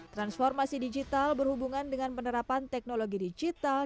transformasi digital berhubungan dengan penerapan teknologi digital